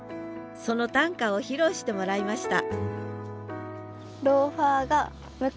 その短歌を披露してもらいました